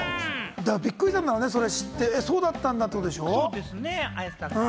びっくりしたんだろうね、それ知って、そうだったんだってことでしょ？